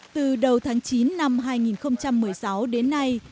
từ đầu tháng chín năm hai nghìn một mươi sáu đến nay